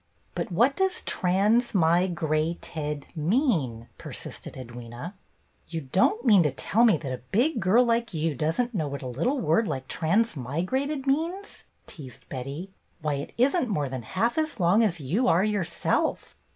" But what does trans mi grat ed mean ?" persisted Edwyna. COMING EVENTS 7 "You don't mean to tell me that a big girl like you does n't know what a little word like ' transmigrated ' means ?" teased Betty. " Why, it is n't more than half as long as you are yourself."